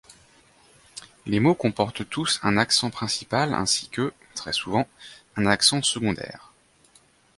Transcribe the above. Les mots comportent tous un accent principal ainsi que, très souvent, un accent secondaire.